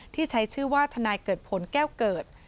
ที่ใช้ชื่อว่าทนายเกิดผลแก้วเกิด